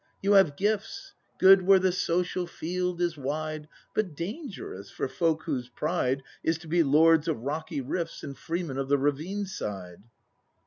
You have gifts. Good where the social field is wide. But dangerous for folk whose pride Is to be Lords of rocky rifts And Freemen of the ravine side.